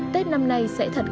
tết năm nay sẽ thật kỳ